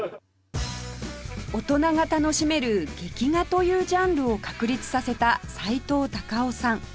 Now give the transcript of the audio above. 大人が楽しめる「劇画」というジャンルを確立させたさいとう・たかをさん